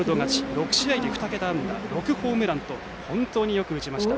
６試合で２桁安打６ホームランと本当によく打ちました。